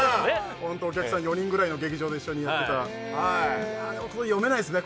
ホントお客さん４人ぐらいの劇場で一緒にやってたでも読めないですね